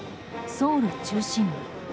ソウル中心部。